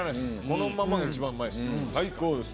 このままが一番うまいです最高です。